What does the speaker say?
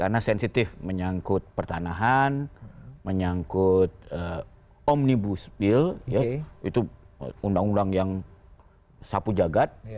yang sensitif menyangkut pertanahan menyangkut omnibus bill itu undang undang yang sapu jagad